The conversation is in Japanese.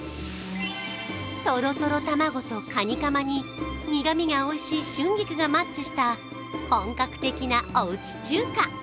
とろとろ卵とカニカマに苦みがおいしい春菊がマッチした本格的なおうち中華。